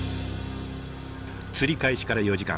釣り開始から４時間。